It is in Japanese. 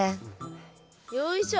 よいしょ。